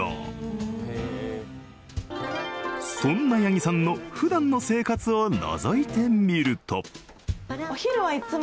そんな八木さんの普段の生活をのぞいてみると。